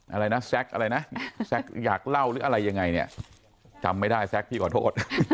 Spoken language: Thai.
อะไรนะแซ็กอะไรนะแซ็กอยากเล่าหรืออะไรยังไงเนี่ยจำไม่ได้แซ็กพี่ขอโทษ